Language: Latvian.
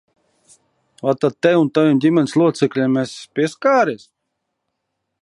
Vai tad tev un taviem ģimenes locekļiem esmu pieskārusies?